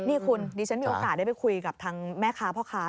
นี่คุณดิฉันมีโอกาสได้ไปคุยกับทางแม่ค้าพ่อค้า